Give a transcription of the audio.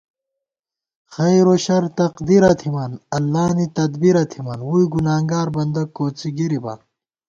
خیروشر تقدیرہ تھِمان، اللہ نی تدبیرہ تھِمان ووئی گُنانگار بندہ کوڅی گِرِبا